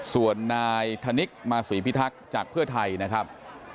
ส่วนนายธนิกมาศรีพิทักษ์จากเพื่อไทยนะครับ